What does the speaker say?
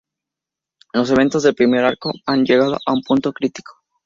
Los eventos del primer arco han llegado a un punto crítico.